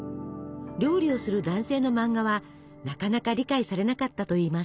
料理をする男性の漫画はなかなか理解されなかったといいます。